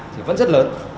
thì vẫn rất lớn